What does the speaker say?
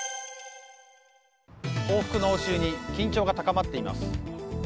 報復の応酬に緊張が高まっています。